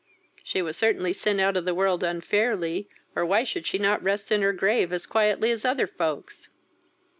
She was certainly sent out of the world unfairly, or why should she not rest in her grave as quietly as other folks?"